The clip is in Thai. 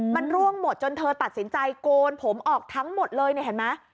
มันร่วงหมดจนเธอตัดสินใจโกนผมออกทั้งหมดเลยเนี่ยเห็นไหม